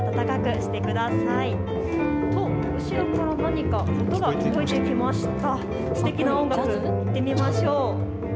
すてきな音楽、行ってみましょう。